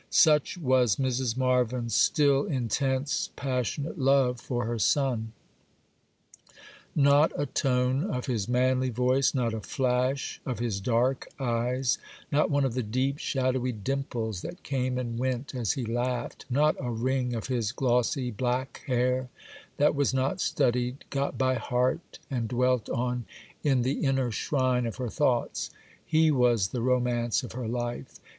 Such was Mrs. Marvyn's still intense, passionate love for her son. Not a tone of his manly voice, not a flash of his dark eyes, not one of the deep, shadowy dimples that came and went as he laughed, not a ring of his glossy black hair, that was not studied, got by heart, and dwelt on in the inner shrine of her thoughts: he was the romance of her life.